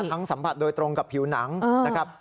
สัมผัสโดยตรงกับผิวหนังนะครับ